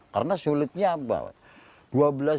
karena sulitnya apa